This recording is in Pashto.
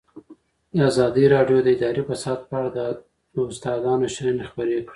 ازادي راډیو د اداري فساد په اړه د استادانو شننې خپرې کړي.